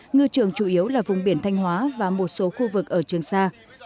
ngư trường chủ yếu là vùng biển thanh hóa và một số khu vực ở trường sa